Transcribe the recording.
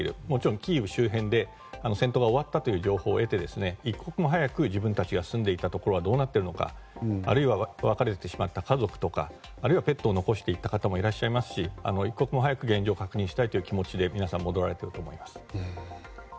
もちろんキーウ周辺で戦闘が終わったという情報を得て一刻も早く自分たちが住んでいたところがどうなっているのか、あるいは別れてしまった家族とかあるいはペットを残していった方もいますし、一刻も早く現状を確認したいという気持ちで皆さん戻られていると思います。